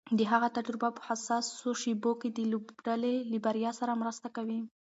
د هغه تجربه په حساسو شېبو کې د لوبډلې له بریا سره مرسته کوي.